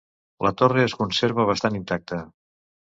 La torre es conserva bastant intacta.